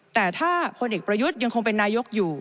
แต่ถ้าพลเอกประยุทธ์ยังคงเป็นนายกอยู่